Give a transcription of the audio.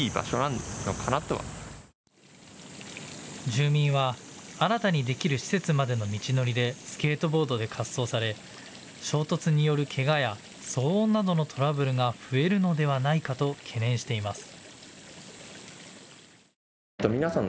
住民は新たにできる施設までの道のりでスケートボードで滑走され、衝突によるけがや騒音などのトラブルが増えるのではないかと懸念しています。